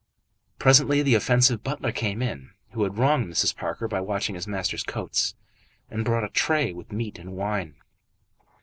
Presently the offensive butler came in, who had wronged Mrs. Parker by watching his master's coats, and brought a tray with meat and wine.